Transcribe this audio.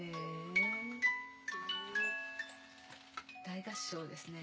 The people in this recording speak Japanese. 大合唱ですね。